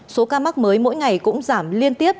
số ca mắc mới mỗi ngày cũng giảm liên tiếp